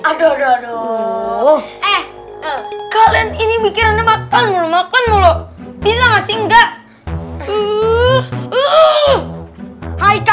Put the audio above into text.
aduh eh kalian ini mikirannya bakal mau makan mulu bilang masih enggak